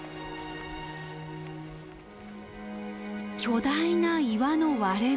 巨大な岩の割れ目。